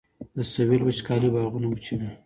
د سویل وچکالي باغونه وچوي